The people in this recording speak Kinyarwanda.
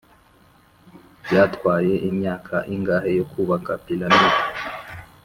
byatwaye imyaka ingahe yo kubaka piramide?